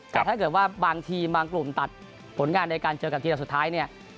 แต่ถ้าเกิดว่าบางทีมบางกลุ่มตัดผลงานในการเจอกับทีมดับสุดท้ายเนี่ย